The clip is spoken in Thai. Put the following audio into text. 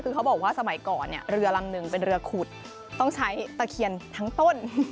คือเขาบอกว่าสมัยก่อนเนี่ยเรือลำหนึ่งเป็นเรือขุดต้องใช้ตะเคียนทั้งต้น